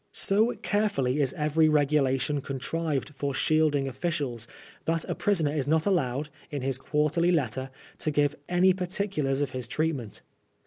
So carefully is every regulation contrived for shielding officials that a prisoner is not allowed, in his quarterly letter, to give any particulars of his treat ment.